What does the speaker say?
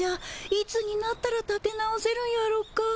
いつになったらたて直せるんやろか。